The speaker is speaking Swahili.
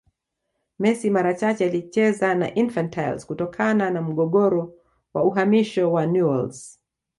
Messi mara chache alicheza na Infantiles kutokana na mgogoro wa uhamisho wa Newells